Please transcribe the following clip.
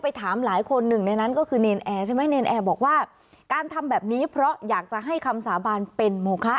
ไปถามหลายคนหนึ่งในนั้นก็คือเนญแอร์บอกว่าการทำแบบนี้เพราะอยากจะให้คำสาบานเป็นโมคะ